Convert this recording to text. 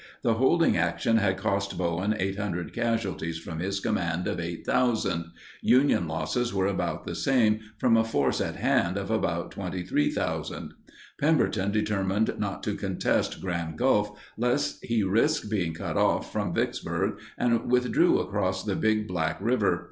The holding action had cost Bowen 800 casualties from his command of 8,000; Union losses were about the same from a force at hand of about 23,000. Pemberton determined not to contest Grand Gulf lest he risk being cut off from Vicksburg and withdrew across the Big Black River.